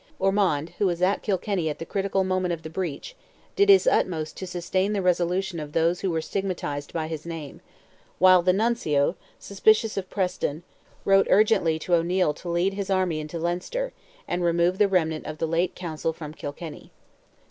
Ormond, who was at Kilkenny at the critical moment of the breach, did his utmost to sustain the resolution of those who were stigmatized by his name; while the Nuncio, suspicious of Preston, wrote urgently to O'Neil to lead his army into Leinster, and remove the remnant of the late council from Kilkenny.